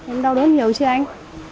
em đau đớn nhiều chưa anh